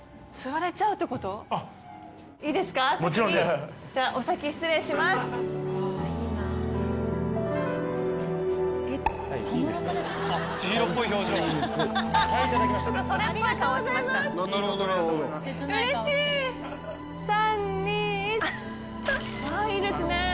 わあいいですね。